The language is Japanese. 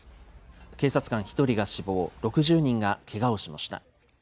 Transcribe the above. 警察官１人が死亡、６０人がけがをしました。